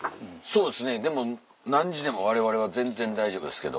そうですねでも何時でもわれわれは全然大丈夫ですけど。